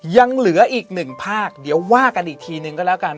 ยังเหลืออีกหนึ่งภาคเดี๋ยวว่ากันอีกทีนึงก็แล้วกัน